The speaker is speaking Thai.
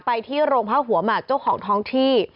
ไปที่โรงพักหัวหมากเจ้าของท้องที่